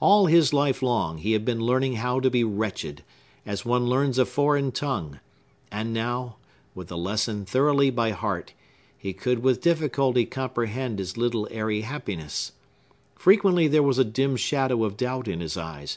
All his life long, he had been learning how to be wretched, as one learns a foreign tongue; and now, with the lesson thoroughly by heart, he could with difficulty comprehend his little airy happiness. Frequently there was a dim shadow of doubt in his eyes.